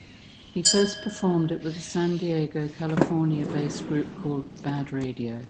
He first performed it with a San Diego, California-based group called Bad Radio.